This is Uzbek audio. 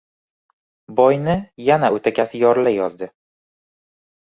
Boyni yana o‘takasi yorilayozdi.